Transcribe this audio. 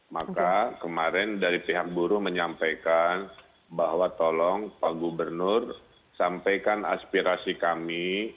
maka kemarin dari pihak buruh menyampaikan bahwa tolong pak gubernur sampaikan aspirasi kami